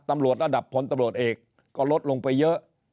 ตำรวจระดับพลตำรวจเอกก็ลดลงไปเยอะ